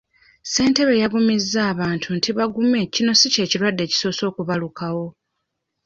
Ssentebe yagumizza abantu nti bagume kino si ky'ekirwadde ekisoose okubalukawo.